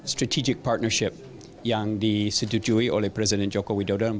strategic partnership yang disetujui oleh presiden joko widodo